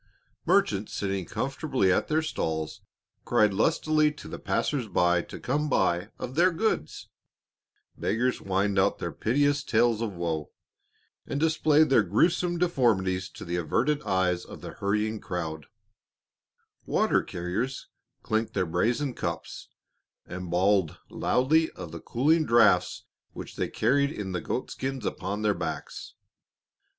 Merchants sitting comfortably at their stalls cried lustily to the passers by to come buy of their goods; beggars whined out their piteous tales of woe, and displayed their gruesome deformities to the averted eyes of the hurrying crowd; water carriers clinked their brazen cups and bawled loudly of the cooling draughts which they carried in the goat skins upon their backs.